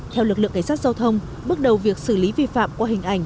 theo lực lượng cảnh sát giao thông bước đầu việc xử lý vi phạm qua hình ảnh